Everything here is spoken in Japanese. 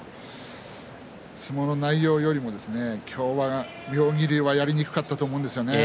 相撲の内容よりも今日は妙義龍はやりにくかったと思うんですよね。